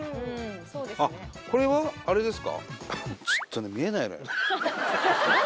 これはあれですか？